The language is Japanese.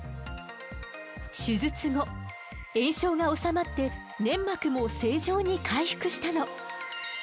手術後炎症が治まって粘膜も正常に回復したの。